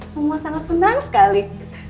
semua sangat senang sekali